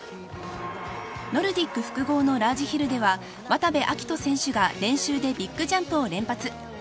ノルディック複合のラージヒルでは、渡部暁斗選手が練習でビッグジャンプを連発。